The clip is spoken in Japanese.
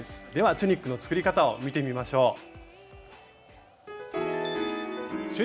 ではチュニックの作り方を見てみましょう。